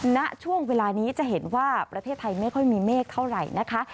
ณช่วงเวลานี้จะเห็นว่าประเทศไทยไม่ค่อยมีเมฆเท่าไหร่นะคะ